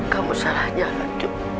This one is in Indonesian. kamu salah jalan